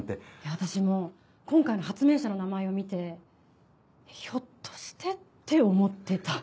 私も今回の発明者の名前を見てひょっとしてって思ってた。